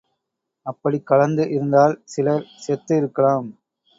அப்படிக் கலந்து இருந்தால் சிலர் செத்து இருக்கலாம்.